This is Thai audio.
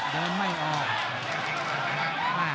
เดินไม่ออก